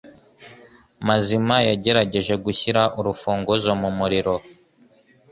Mazima yagerageje gushyira urufunguzo mumuriro.